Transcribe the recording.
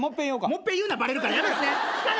もっぺん言うなバレるから。